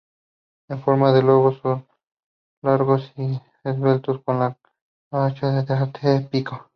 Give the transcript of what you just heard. En forma de lobo, son largos y esbeltos como los chacales del arte egipcio.